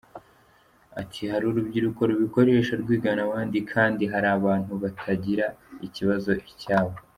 Ati “Hari urubyiruko rubikoresha rwigana abandi kandi hari abantu bataragira iki kibazo icyabo.